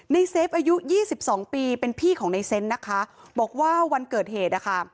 ในเซฟอายุ๒๒ปีเป็นพี่ของในเซ้นต์นะคะบอกว่าวันเกิดเหตุอ่ะค่ะ